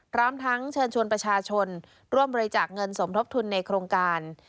พร้อมทั้งเชิญชวนประชาชนร่วมบริจาคเงินสมทบทุนในโครงการ